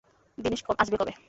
দীনেশ আসবে কবে?